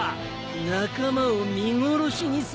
仲間を見殺しにする気か？